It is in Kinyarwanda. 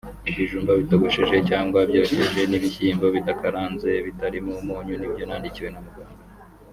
ibijumba bitogosheje cyangwa byokeje n’ibishyimbo bidakaranze bitarimo umunyu nibyo nandikiwe na muganga